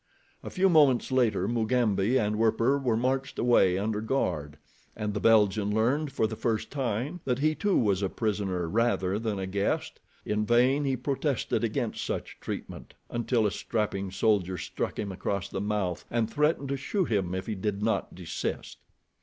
A few moments later Mugambi and Werper were marched away under guard, and the Belgian learned for the first time, that he too was a prisoner rather than a guest. In vain he protested against such treatment, until a strapping soldier struck him across the mouth and threatened to shoot him if he did not desist.